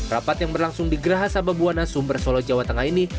rapat yang berlangsung di geraha sababuana sumber solo jawa tengah ini